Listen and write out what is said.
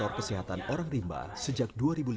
sektor kesehatan orang rimba sejak dua ribu lima belas